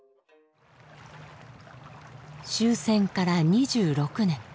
終戦から２６年